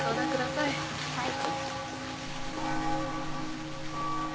はい。